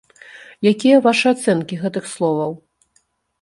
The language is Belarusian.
Якія вашы ацэнкі гэтых словаў?